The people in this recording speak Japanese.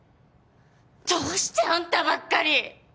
どうしてあんたばっかり！